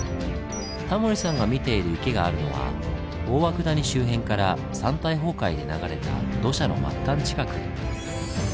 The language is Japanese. タモリさんが見ている池があるのは大涌谷周辺から山体崩壊で流れた土砂の末端近く。